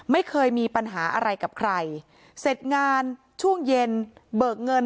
ไม่เคยมีปัญหาอะไรกับใครเสร็จงานช่วงเย็นเบิกเงิน